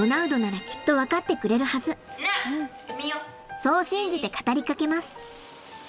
そう信じて語りかけます。